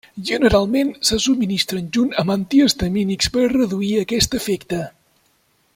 Generalment se subministren junt amb antihistamínics per a reduir aquest efecte.